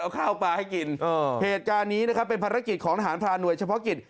เอาข้าวปลาให้กินเหตุการณ์นี้นะครับเป็นภารกิจของทหารพรานหน่วยเฉพาะกิจ